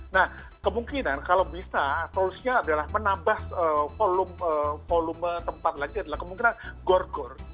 nah kemungkinan kalau bisa solusinya adalah menambah volume tempat lagi adalah kemungkinan gor gor